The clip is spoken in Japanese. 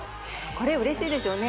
これうれしいですよね